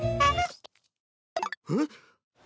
えっ？